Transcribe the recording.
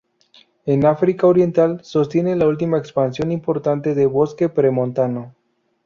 En África oriental, sostiene la última extensión importante de bosque pre-montano.